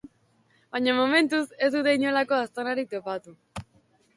Baina momentuz, ez dute inolako aztarnarik topatu.